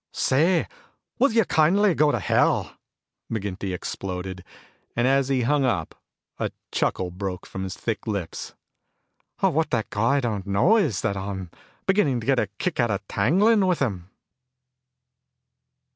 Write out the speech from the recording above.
"Say, will you kindly go to Hell!" McGinty exploded. And as he hung up, a chuckle broke from his thick lips. "What that guy don't know is that I'm beginning to get a kick out of tangling with him!"